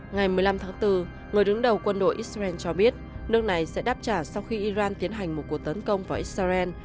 ngày một mươi năm tháng bốn người đứng đầu quân đội israel cho biết nước này sẽ đáp trả sau khi iran tiến hành một cuộc tấn công vào israel